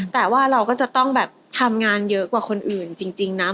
แต่ว่าเราก็จะต้องแบบทำงานเยอะกว่าคนอื่นจริงนะ